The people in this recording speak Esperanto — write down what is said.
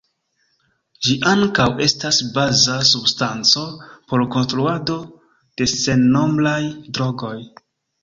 Ĝi ankaŭ estas baza substanco por konstruado de sennombraj drogoj.